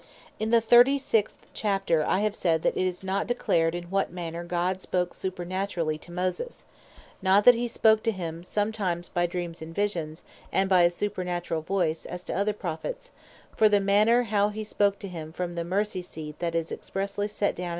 In the 36th Chapter I have said, that it is not declared in what manner God spake supernaturally to Moses: Not that he spake not to him sometimes by Dreams and Visions, and by a supernaturall Voice, as to other Prophets: For the manner how he spake unto him from the Mercy seat, is expressely set down (Numbers 7.